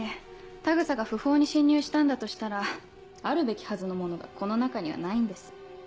田草が不法に侵入したんだとしたらあるべきはずのものがこの中にはないんです。